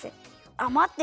あっまって！